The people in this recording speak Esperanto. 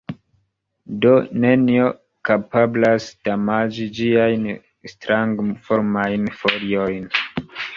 Do, nenio kapablas damaĝi ĝiajn strangformajn foliojn.